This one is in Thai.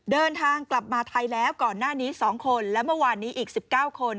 เดินทางกลับมาไทยแล้วก่อนหน้านี้๒คนและเมื่อวานนี้อีก๑๙คน